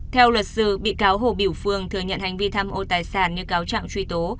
theo luật sư bị cáo hồ biểu phương thừa nhận hành vi tham ô tài sản như cáo trạng truy tố